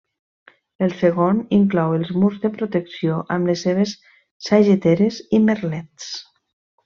El segon inclou els murs de protecció, amb les seves sageteres i merlets.